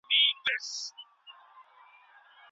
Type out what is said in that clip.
کوچیان په ښارونو کي نه مېشت کېږي.